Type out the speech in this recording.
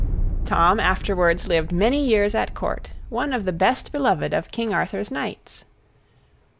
Tom afterwards lived many years at Court, one of the best beloved of King Arthur's knights.